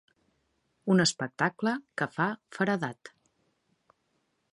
Un espectacle que fa feredat.